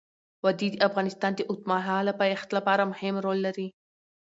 وادي د افغانستان د اوږدمهاله پایښت لپاره مهم رول لري.